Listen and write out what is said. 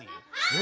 え？